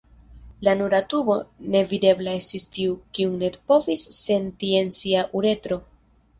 La nura tubo nevidebla estis tiu kiun Ned povis senti en sia uretro.